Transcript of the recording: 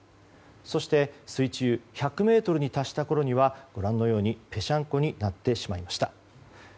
そして、水深１００ｍに達したころにはご覧のようにぺしゃんこになってしまいました。